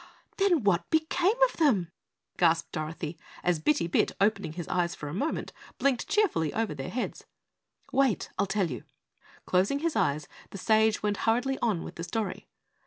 "Then what became of them?" gasped Dorothy as Bitty Bit, opening his eyes for a moment, blinked cheerfully over their heads. "Wait, I'll tell you!" Closing his eyes, the sage went hurriedly on with the story.